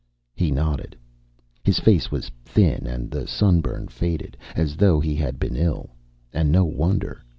He nodded. His face was thin and the sunburn faded, as though he had been ill. And no wonder.